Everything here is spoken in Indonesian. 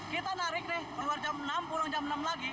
kita narik nih keluar jam enam pulang jam enam lagi